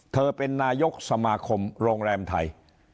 เธอเป็นนายกสมาคมโรงแรมไทย